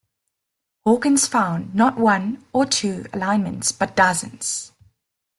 Hawkins found not one or two alignments but dozens.